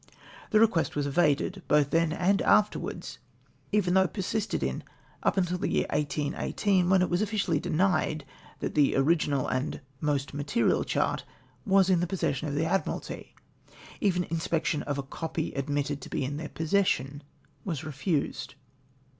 The request was evaded, both then and afterwards, even though persisted in up to the year 1818, when it was officiahy denied that the original of the most material chart was in the posses sion of the Admu^alty. Even inspection of a copy admitted to he in their p>ossession was refused.